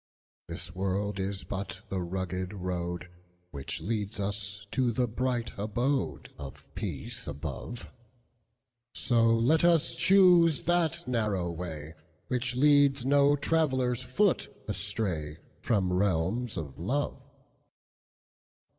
This world is but the rugged roadWhich leads us to the bright abodeOf peace above; So let us choose that narrow way, Which leads no traveller's foot astrayFrom realms of love.